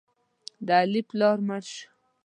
د علي پلار مړ شو.